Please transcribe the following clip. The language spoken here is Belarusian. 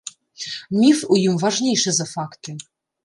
Міф у ім важнейшы за факты.